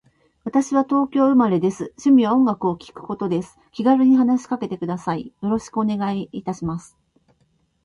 私は東京都生まれです。趣味は音楽を聴くことです。気軽に話しかけてください。よろしくお願いいたします。